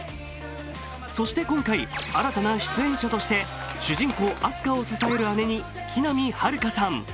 そして今回、新たな出演者として、主人公・あす花を支える姉に木南晴夏さん。